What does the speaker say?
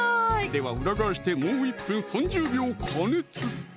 では裏返してもう１分３０秒加熱！